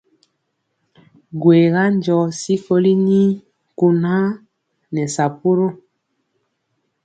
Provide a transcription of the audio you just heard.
Gwega njɔ sikoli nii kunaa nɛ sapuru!